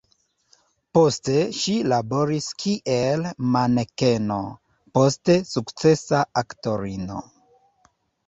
Poste ŝi laboris kiel manekeno, poste sukcesa aktorino.